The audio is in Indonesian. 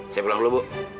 saya pulang dulu bu